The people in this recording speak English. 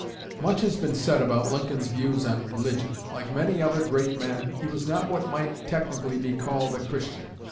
Much has been said about Lincoln's views on religion. Like many other great men, he was not what might technically be called a Christian.